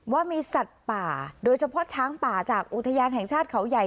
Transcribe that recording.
ว่ามีสัตว์ป่าโดยเฉพาะช้างป่าจากอุทยานแห่งชาติเขาใหญ่